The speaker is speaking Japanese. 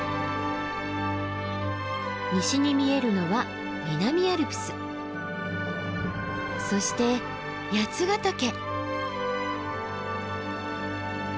西に見えるのは南アルプスそして八ヶ岳。